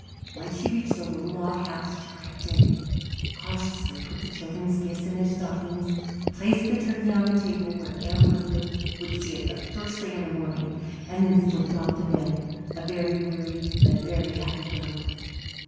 When she reached the little log house she crept in, cautiously put the children's gifts in their stockings, placed the turkey on the table where Aunt Elizabeth would see it the first thing in the morning, and then slipped off to bed, a very weary but very happy girl.